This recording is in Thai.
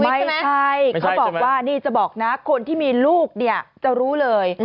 ไม่ใช่เขาบอกว่านี่จะบอกนะคนที่มีลูกเนี่ยจะรู้เลย